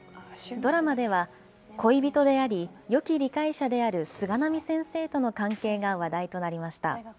ドラマでは恋人であり、よき理解者である菅波先生との関係が話題となりました。